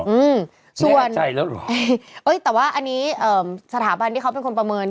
อืมส่วนเอ๊ะแต่ว่าอันนี้สถาบันที่เขาเป็นคนประเมิน